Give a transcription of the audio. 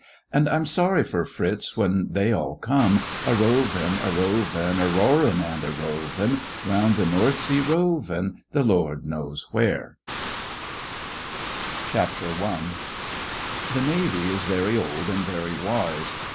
And I'm sorry for Fritz when they all come A rovin', a rovin', a roarin and a rovin\ Round the North Sea rovin'. The Lord knows where 1 I THE AUXILIARIES The Navy is very old and very wise.